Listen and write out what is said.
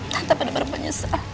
tante pada merupakan nyesel